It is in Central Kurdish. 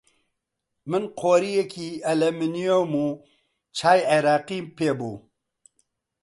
من قۆرییەکی ئەلمۆنیۆم و چای عێراقیم پێ بوو